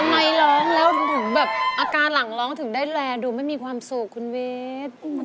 ร้องแล้วถึงแบบอาการหลังร้องถึงได้แลนดูไม่มีความสุขคุณวิทย์